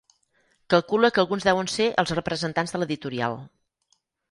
Calcula que alguns deuen ser els representants de l'editorial.